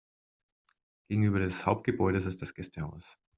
Gegenüber des Hauptgebäudes ist das Gästehaus.